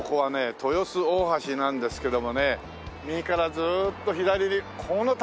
豊洲大橋なんですけどもね右からずーっと左にこの建物ほら。